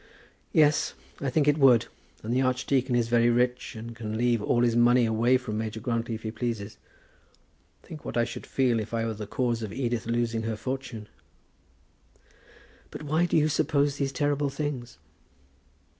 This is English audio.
"Yes; I think it would. And the archdeacon is very rich, and can leave all his money away from Major Grantly if he pleases. Think what I should feel if I were the cause of Edith losing her fortune!" "But why do you suppose these terrible things?"